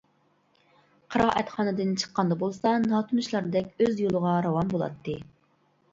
قىرائەتخانىدىن چىققاندا بولسا ناتونۇشلاردەك ئۆز يولىغا راۋان بولاتتى.